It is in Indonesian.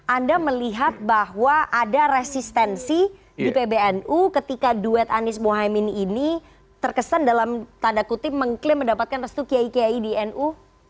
anda melihat bahwa ada resistensi di pbnu ketika duet anies mohaimin ini terkesan dalam tanda kutip mengklaim mendapatkan restu kiai kiai di nu